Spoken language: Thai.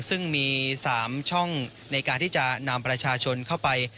ซึ่งมี๓ช่องในการที่จะนำประชาชนเข้าไป